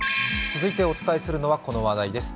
続いてお伝えするのは、この話題です。